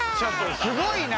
すごいな！